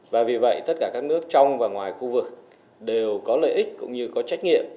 và vì vậy tất cả các nước trong và ngoài khu vực đều có lợi ích cũng như có trách nhiệm